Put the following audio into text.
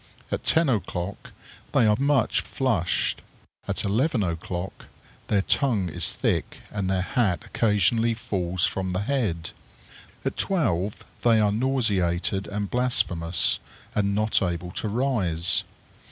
At ten o'clock they are much flushed. At eleven o'clock their tongue is thick, and their hat occasionally falls from the head. At twelve they are nauseated and blasphemous, and not able to rise.